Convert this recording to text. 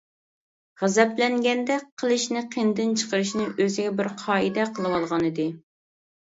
غەزەپلەنگەندە قىلىچىنى قىنىدىن چىقىرىشنى ئۆزىگە بىر قائىدە قىلىۋالغانىدى.